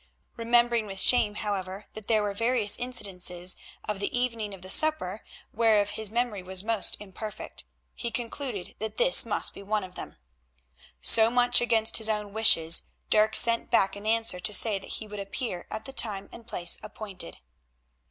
Remembering with shame, however, that there were various incidents of the evening of the supper whereof his memory was most imperfect, he concluded that this must be one of them. So much against his own wishes Dirk sent back an answer to say that he would appear at the time and place appointed.